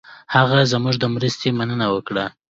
هغه زموږ د مرستې مننه وکړه.